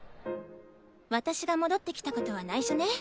私が戻ってきたことはないしょね。